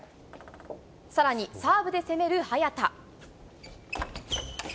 さらに、サーブで攻める早田。